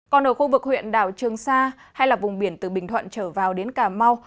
còn ở khu vực huyện đảo trường sa hay vùng biển từ bình thuận trở vào đến cà mau